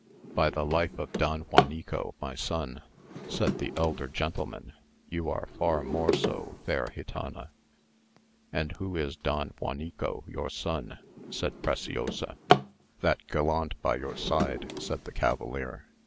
"By the life of Don Juanico, my son," said the elder gentleman, "you are far more so, fair gitana." "And who is Don Juanico, your son?" said Preciosa. "That gallant by your side," said the cavalier.